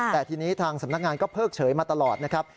แต่ทีนี้ทางสำนักงานก็เพิกเฉยมาตลอดนะครับ